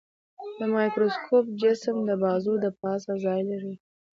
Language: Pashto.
د مایکروسکوپ جسم د بازو د پاسه ځای لري.